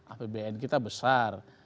apbn kita besar